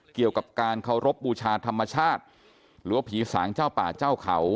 เกี่ยวกับการเคารพบูชาธรรมชาติหรือว่าผีสางเจ้าป่าเจ้าเขา